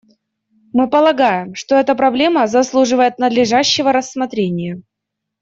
Мы полагаем, что эта проблема заслуживает надлежащего рассмотрения.